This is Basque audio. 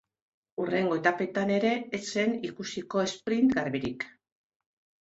Hurrengo etapetan ere ez zen ikusiko esprint garbirik.